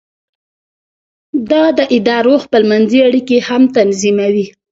دا د ادارو خپل منځي اړیکې هم تنظیموي.